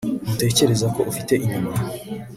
ntutekereza ko ufite inyuma